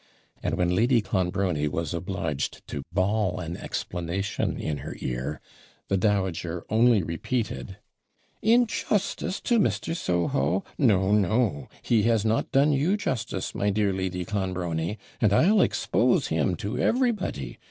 And when Lady Clonbrony was obliged to bawl an explanation in her car, the dowager only repeated 'In justice to Mr. Soho! No, no; he has not done you justice, my dear Lady Clonbrony! and I'll expose him to everybody.